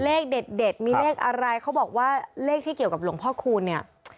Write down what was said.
เลขเด็ดมีเลขอะไรเขาบอกว่าเลขที่เกี่ยวกับหลวงพ่อคูณเนี่ย